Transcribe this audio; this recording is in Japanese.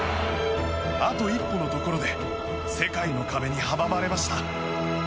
あと一歩のところで世界の壁に阻まれました。